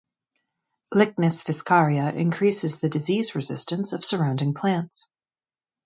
Lychnis viscaria increases the disease resistance of surrounding plants.